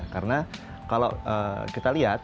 karena kalau kita lihat